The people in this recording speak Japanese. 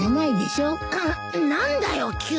あっ何だよ急に。